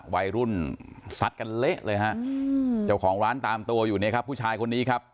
วัยรุ่นซัดกันเละเลยฮะเจ้าของร้านตามตัวอยู่เนี่ยครับผู้ชายคนนี้ครับ